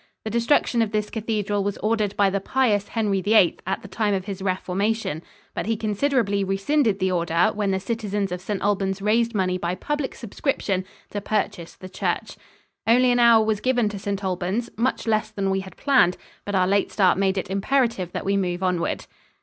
The destruction of this cathedral was ordered by the pious Henry VIII at the time of his Reformation, but he considerately rescinded the order when the citizens of St. Albans raised money by public subscription to purchase the church. Only an hour was given to St. Albans, much less than we had planned, but our late start made it imperative that we move onward.